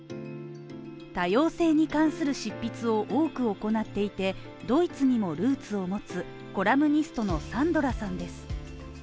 多様性に関する執筆を多く行っていてドイツにもルーツを持つコラムニストのサンドラさんです。